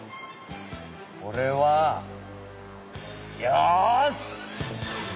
これはよし！